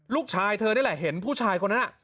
ลูกชายเธอนี่แหละเห็นผู้ชายคนนั้น